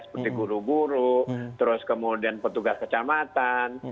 seperti guru guru terus kemudian petugas kecamatan